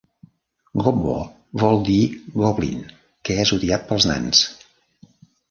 Gobbo vol dir Goblin, que és odiat pels nans.